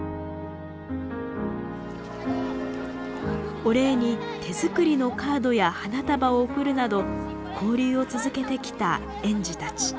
お礼に手作りのカードや花束を贈るなど交流を続けてきた園児たち。